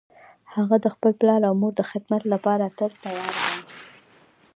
هغه د خپل پلار او مور د خدمت لپاره تل تیار ده